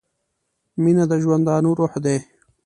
• مینه د ژوندانه روح دی.